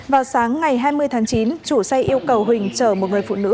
vào sáng ngày hai mươi tháng chín chủ xe yêu cầu huỳnh chở một người phụ nữ